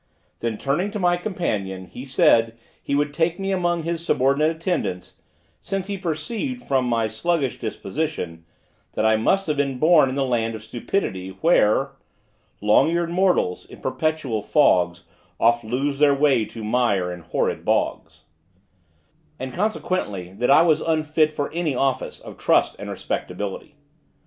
Then turning to my companion, he said, he would take me among his subordinate attendants, since he perceived, from my sluggish disposition, that I must have been born in the land of stupidity, where Long eared mortals, in perpetual fogs, Oft lose their way to mire in horrid bogs: and consequently that I was unfit for any office of trust and respectability.